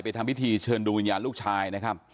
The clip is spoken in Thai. ไปทำพิธีเชิญดูวิญญาณลูกชาย